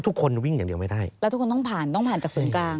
ทุกคนวิ่งอย่างเดียวไม่ได้แล้วทุกคนต้องผ่านต้องผ่านจากศูนย์กลาง